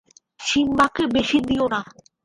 সিম্বাকে বেশি দিও না।